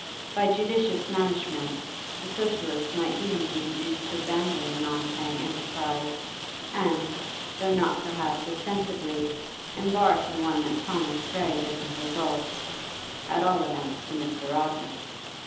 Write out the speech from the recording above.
By judicious management the Socialist might even be induced to abandon the non paying enterprise, and, though not perhaps ostensibly, embark in one that promised very different results at all events to Mr. Rodman.